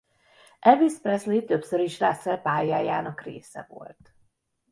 Elvis Presley többször is Russell pályájának része volt.